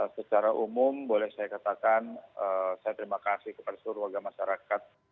secara umum boleh saya katakan saya terima kasih kepada seluruh warga masyarakat